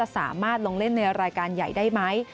สามารถลงเล่นในรายการใหญ่ได้ไหม